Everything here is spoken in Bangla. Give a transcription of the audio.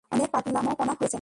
অনেক পাগলামোপনা হয়েছে!